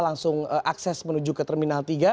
langsung akses menuju ke terminal tiga